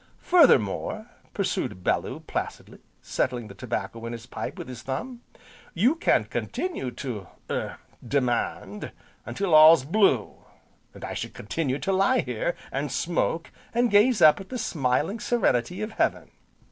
"Furthermore," pursued Bellew placidly, settling the tobacco in his pipe with his thumb, "you can continue to er demand, until all's blue, and I shall continue to lie here, and smoke, and gaze up at the smiling serenity of heaven."